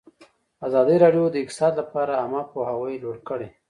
ازادي راډیو د اقتصاد لپاره عامه پوهاوي لوړ کړی.